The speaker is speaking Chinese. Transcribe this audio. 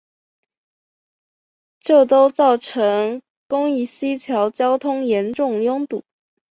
这都造成公益西桥交通严重拥堵。